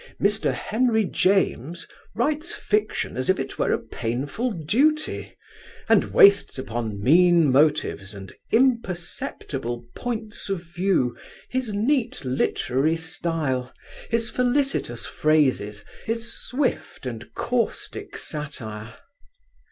Mr. Henry James writes fiction as if it were a painful duty, and wastes upon mean motives and imperceptible "points of view" his neat literary style, his felicitous phrases, his swift and caustic satire.